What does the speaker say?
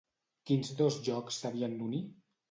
Quins dos llocs s'havien d'unir?